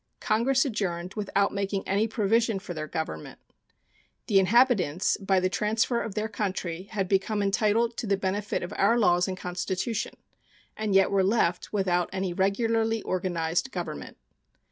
Congress adjourned without making any provision for their government. The inhabitants by the transfer of their country had become entitled to the benefit of our laws and Constitution, and yet were left without any regularly organized government.